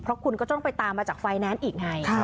เพราะคุณก็ต้องไปตามมาจากไฟแนนซ์อีกไง